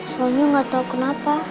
soalnya gak tau kenapa